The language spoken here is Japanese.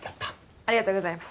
ありがとうございます。